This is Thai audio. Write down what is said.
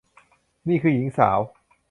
นี่คือหญิงสาว